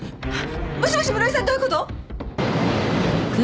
もしもし室井さんどういうこと！？